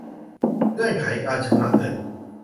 เงื่อนไขการชำระเงิน